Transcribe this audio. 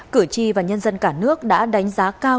cử tri và nhân dân cả nước đã đánh giá cao